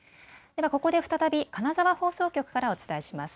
ここで再び金沢放送局からお伝えします。